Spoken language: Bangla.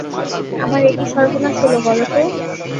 আমার এ কী সর্বনাশ হল বল তো?